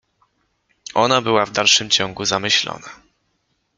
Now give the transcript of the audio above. Ona była w dalszym ciągu zamyślona.